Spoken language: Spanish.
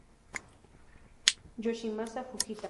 Yoshimasa Fujita